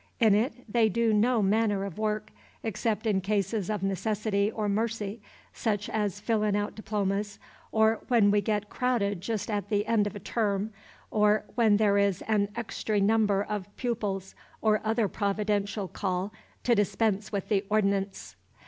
In it they do no manner of work, except in cases of necessity or mercy, such as fillin' out diplomas, or when we git crowded jest at the end of a term, or when there is an extry number of p'oopils, or other Providential call to dispense with the ordinance."